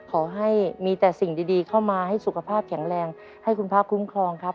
ขอให้มีแต่สิ่งดีเข้ามาให้สุขภาพแข็งแรงให้คุณพระคุ้มครองครับ